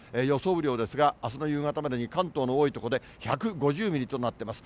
雨量ですが、あすの夕方までに関東の多い所で１５０ミリとなってます。